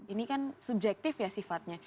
ini kan subjektif ya sifatnya